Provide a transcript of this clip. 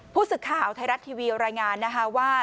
ผู้สึกข่าวไทยรัฐทีวีรายงานว่า